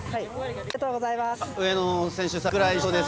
ありがとうございます。